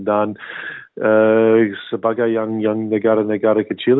dan sebagai yang negara negara kecil